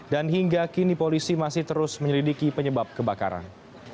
dan hingga kini polisi masih terus menyelidiki penyebab kebakaran